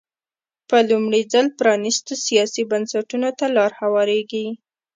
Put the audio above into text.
په لومړي ځل پرانېستو سیاسي بنسټونو ته لار هوارېږي.